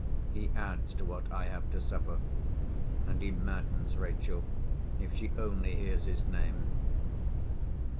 He adds to what I have to suffer; and he maddens Rachel if she only hears his name.